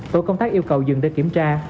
tối công tác yêu cầu dừng để kiểm tra